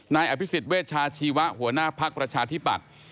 นายอภิษฎเวชาชีวะหัวหน้าภักดิ์ประชาธิปัตย์